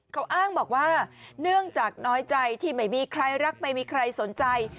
เขาอ้างบอกว่าเนื่องจากน้อยใจที่ไม่มีใครรักไม่มีใครสนใจ